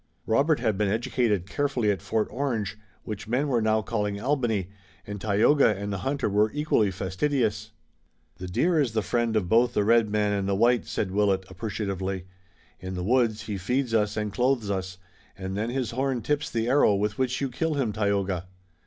Robert had been educated carefully at Fort Orange, which men were now calling Albany, and Tayoga and the hunter were equally fastidious. "The deer is the friend of both the red man and the white," said Willet, appreciatively. "In the woods he feeds us and clothes us, and then his horn tips the arrow with which you kill him, Tayoga."